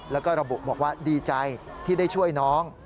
แล้วก็ระบุบอกว่าดีใจที่ได้ช่วยน้อง